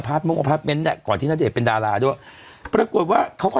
อพาตมิวอพาตเมนต์แหละก่อนที่นัดเด็ดเป็นดาราด้วยปรากฏว่าเขาก็